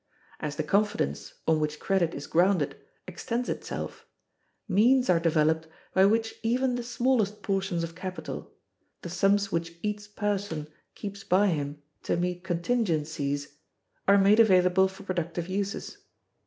As the confidence on which credit is grounded extends itself, means are developed by which even the smallest portions of capital, the sums which each person keeps by him to meet contingencies, are made available for productive uses.